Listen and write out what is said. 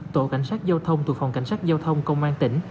tổ cảnh sát giao thông thuộc phòng cảnh sát giao thông công an tỉnh